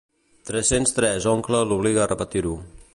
Tres-cents tres oncle l'obliga a repetir-ho.